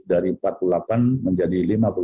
dari empat puluh delapan menjadi lima puluh delapan